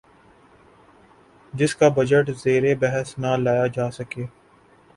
جس کا بجٹ زیربحث نہ لایا جا سکے